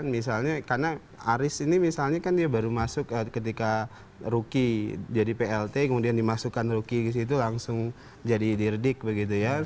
misalnya karena aris ini misalnya kan dia baru masuk ketika rookie jadi plt kemudian dimasukkan ruki ke situ langsung jadi dirdik begitu ya